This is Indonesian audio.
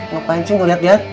ngapain sih gue liat ya